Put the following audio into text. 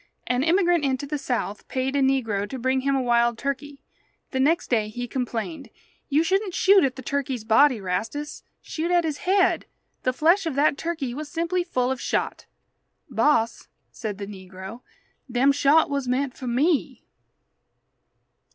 An immigrant into the South paid a negro to bring him a wild turkey. The next day he complained: "You shouldn't shoot at the turkey's body, Rastus. Shoot at his head. The flesh of that turkey was simply full of shot." "Boss," said the negro, "dem shot was meant for me."